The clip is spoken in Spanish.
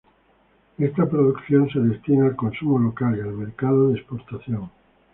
Esta producción se destina al consumo local y al mercado de exportación.